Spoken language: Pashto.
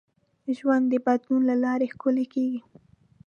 ژوند د بدلون له لارې ښکلی کېږي.